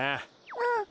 うん。